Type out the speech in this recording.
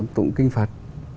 tụng kinh phật